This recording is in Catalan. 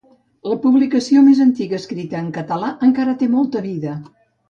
La publicació més antiga escrita en català encara té molta vida.